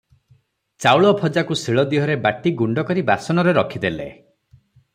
ଚାଉଳ ଭଜାକୁ ସିଳ ଦିହରେ ବାଟି ଗୁଣ୍ଡକରି ବାସନରେ ରଖିଦେଲେ ।